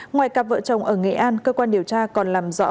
ngoài cặp vợ chồng ở nghệ an cơ quan điều tra còn làm rõ